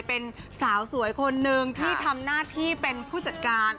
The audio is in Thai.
เป็นสาวสวยคนนึงที่ทำหน้าที่เป็นผู้จัดการ